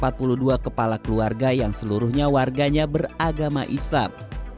itu dua ratus empat puluh dua kepala keluarga yang seluruhnya warganya beragama islam